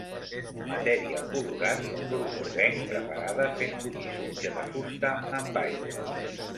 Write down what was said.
Matèria colorant d'un bru groguenc preparada fent bullir sutge de fusta amb aigua.